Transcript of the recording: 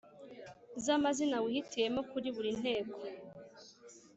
za mazina wihitiyemo kuri buri nteko